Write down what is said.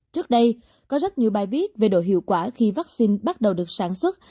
trước đây có rất nhiều bài viết về độ hiệu quả khi vaccine bắt đầu được sản xuất